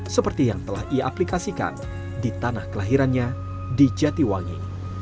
seperti yang telah iaplikasikan di tanah kelahirannya di jatiwangi